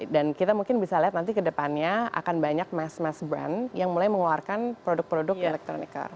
dan kita mungkin bisa lihat nanti kedepannya akan banyak mass mass brand yang mulai mengeluarkan produk produk electronic car